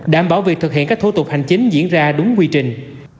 đảm bảo việc thực hiện các thủ tục hành chính diễn ra đúng quy trình